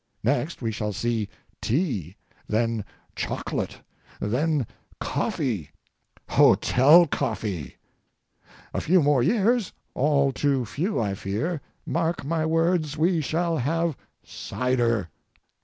Next we shall see tea, then chocolate, then coffee—hotel coffee. A few more years—all too few, I fear—mark my words, we shall have cider!